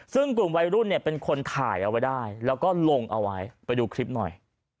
ซึ่งกลุ่มวัยรุ่นเนี่ยเป็นคนถ่ายเอาไว้ได้แล้วก็ลงเอาไว้ไปดูคลิปหน่อย